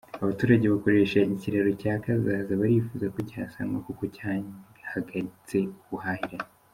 Abaturage bakoresha ikiraro cya Kazaza barifuza ko cyasanwa kuko cyahagaritse ubuhahirane.